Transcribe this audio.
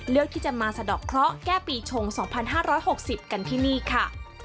เลือกที่จะมาสะดอกเคราะห์แก้ปีชง๒๕๖๐กันที่นี่ค่ะ